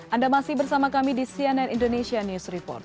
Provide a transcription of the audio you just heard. anda masih bersama kami di cnn indonesia news report